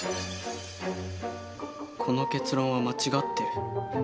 この結論は間違ってる。